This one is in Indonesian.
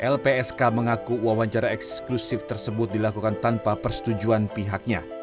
lpsk mengaku wawancara eksklusif tersebut dilakukan tanpa persetujuan pihaknya